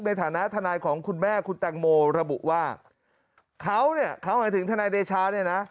ในฐานะทนายของคุณแม่คุณแตงโมระบุว่าเขาเนี่ยเขาหมายถึงทนายเดชาเนี่ยนะ